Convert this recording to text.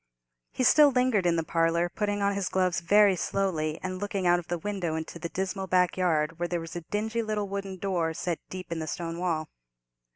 He still lingered in the parlour, putting on his gloves very slowly, and looking out of the window into the dismal backyard, where there was a dingy little wooden door set deep in the stone wall.